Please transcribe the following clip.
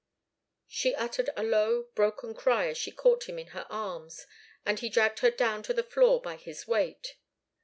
She uttered a low, broken cry as she caught him in her arms, and he dragged her down to the floor by his weight.